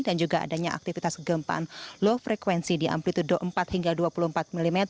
dan juga adanya aktivitas kegempaan low frequency di amplitude empat hingga dua puluh empat mm